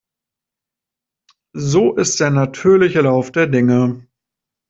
So ist der natürliche Lauf der Dinge.